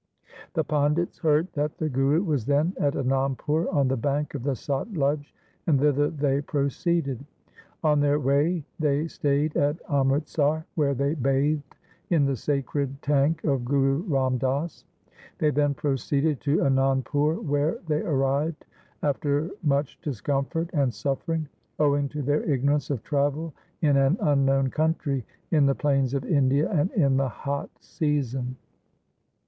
The Pandits heard that the Guru was then at Anandpur on the bank of the Satluj, and thither they proceeded. On their way they stayed at Amritsar, where they bathed in the sacred tank of Guru Ram Das. They then proceeded to Anandpur, where they arrived after much discomfort and suffering, owing to their ignorance of travel in an unknown country in the plains of India and in the hot season.